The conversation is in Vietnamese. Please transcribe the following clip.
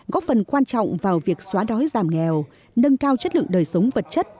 góp phần quan trọng vào việc xóa đói giảm nghèo nâng cao chất lượng đời sống vật chất